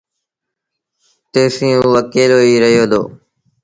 تيسيٚݩٚ اوٚ اڪيلو ئيٚ رهي دو